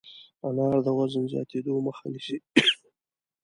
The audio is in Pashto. انار د وزن زیاتېدو مخه نیسي.